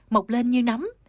mọc lên như nấm